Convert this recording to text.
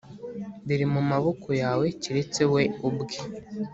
biri mu maboko yawe, keretse we ubwe